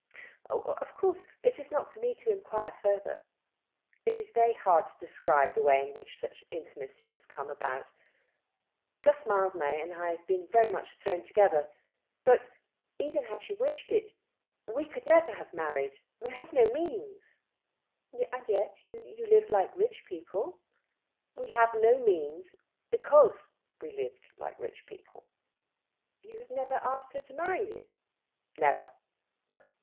"Of course it is not for me to enquire further." "It is very hard to describe the way in which such an intimacy has come about. Guss Mildmay and I have been very much thrown together; but, even had she wished it, we never could have married. We have no means." "And yet you live like rich people." "We have no means because we have lived like rich people." "You have never asked her to marry you?" "Never."